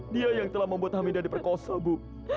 dia yang telah membuat hamida diperkosa bu